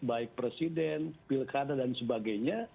baik presiden pilkada dan sebagainya